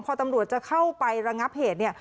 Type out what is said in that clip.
พอตำรวจจะเข้าไประงับเหตุเนี่ย